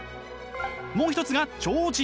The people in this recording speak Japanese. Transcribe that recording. もう一つが超人。